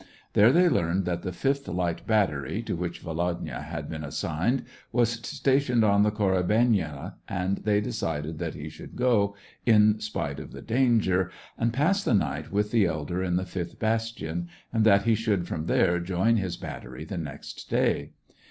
There they learned that the fifth light battery, to which Volodya had been assigned, was stationed on the Korabelnaya, and they decided that he should go, in spite of 1^2 SEVASTOPOL IN AUGUST. the danger, and pass the night with the elder in the fifth bastion, and that he should from there join his battery the next day.